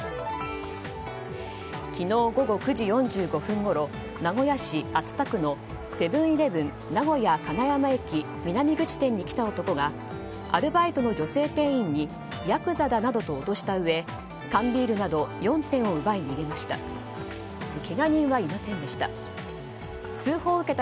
昨日午後９時４５分ごろ名古屋市熱田区のセブン‐イレブン名古屋金山駅南口店に来た男がヤクザだなどと脅したうえ缶ビールなど４点を奪い逃げました。